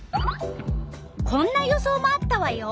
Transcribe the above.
こんな予想もあったわよ。